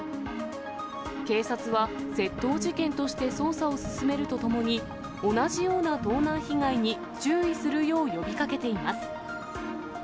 警察は窃盗事件として捜査を進めるとともに、同じような盗難被害に注意するよう呼びかけています。